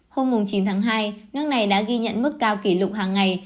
hôm chín tháng hai nước này đã ghi nhận mức cao kỷ lục hàng ngày